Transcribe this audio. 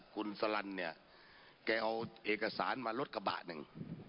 คุณสลันเนี่ยแกเอาเอกสารมารถกระบะหนึ่ง